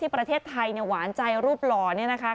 ประเทศไทยเนี่ยหวานใจรูปหล่อนี่นะคะ